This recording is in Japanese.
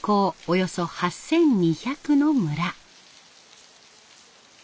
およそ８，２００の村。